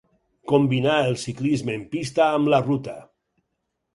Combinà el ciclisme en pista amb la ruta.